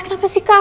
kenapa sih kak